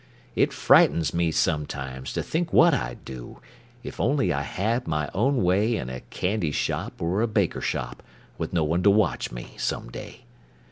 It frightens me sometimes, to think what I'd do, If only I had my own way In a candy shop or a baker shop, Witn no one to watch me, some day.